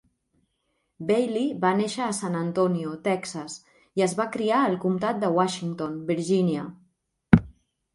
Bailey va néixer a San Antonio, Texas, i es va criar al comtat de Washington, Virginia.